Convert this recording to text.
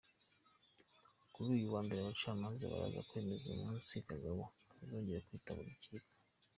Kuri uyu wa mbere abacamanza baraza kwemeza umunsi Gbagbo azongera kwitaba urukiko.